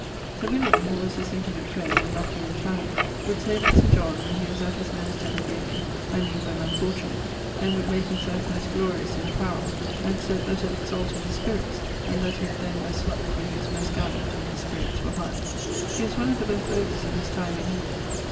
Sir William (who was his intimate friend, and loved him intirely) would say that Sir John, when he was at his lowest ebbe in gameing, I meane when unfortunate, then would make himselfe most glorious in apparell, and sayd that it exalted his spirits, and that he had then best luck when he was most gallant, and his spirits were highest. [LXXXVII.] He was one of the best bowlers of his time in England.